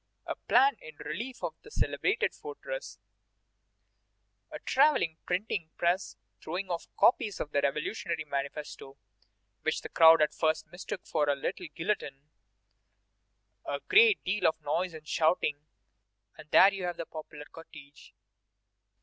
a plan in relief of the celebrated fortress; a travelling printing press throwing off copies of the revolutionary manifesto, which the crowd at first mistook for a little guillotine; a great deal of noise and shouting, and there you have the popular cortège.